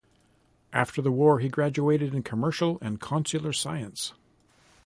After the war he graduated in commercial and consular science.